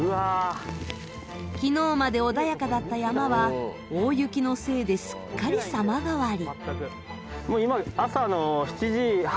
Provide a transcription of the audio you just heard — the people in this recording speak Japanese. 昨日まで穏やかだった山は大雪のせいですっかり様変わり。